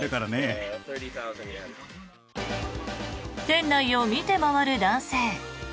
店内を見て回る男性。